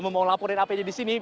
mau laporin apa aja di sini